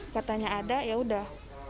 katanya ada yaudah